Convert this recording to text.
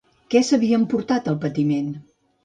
Què s'havia emportat el patiment?